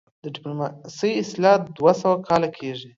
د ډيپلوماسۍ اصطلاح دوه سوه کاله کيږي